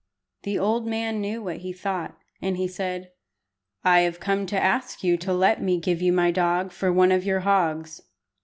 The old man knew what he thought, and said "I have come to ask you to let me give you my dog for one of your hogs."